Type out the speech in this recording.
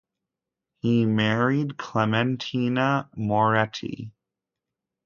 He married Clementina Moretti.